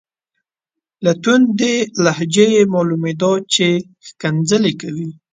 له توندې لهجې یې معلومیده چې ښکنځلې کوي.